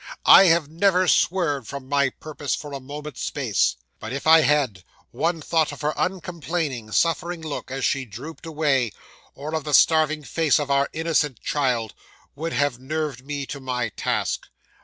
I have never swerved from my purpose for a moment's space; but if I had, one thought of her uncomplaining, suffering look, as she drooped away, or of the starving face of our innocent child, would have nerved me to my task.